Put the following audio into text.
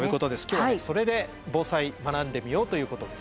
今日はねそれで防災学んでみようということですね。